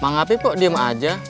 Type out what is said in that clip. mak ngapip kok diem aja